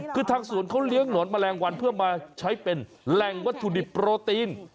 คือทางสวนเขาเลี้ยงหนอนแมลงวันเพื่อมาใช้เป็นแหล่งวัตถุดิบโปรตีน